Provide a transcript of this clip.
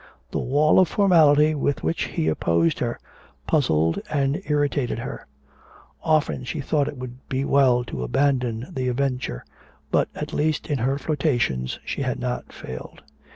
The wall of formality with which he opposed her puzzled and irritated her. Often she thought it would be well to abandon the adventure, but at least, in her flirtations, she had not failed.